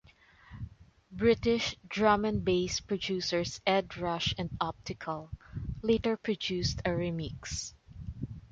British Drum 'n' Bass producers Ed Rush and Optical later produced a remix.